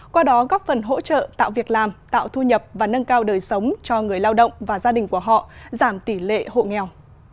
qua đó góp phần hỗ trợ tạo việc làm tạo thu nhập và nâng cao đời sống cho người lao động và gia đình của họ giảm tỷ lệ hộ nghèo